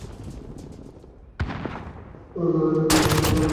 অর্থ তাঁদের থাকবে না, বিবাহ তাঁরা করবেন না।